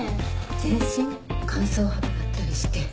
・全身乾燥肌だったりして。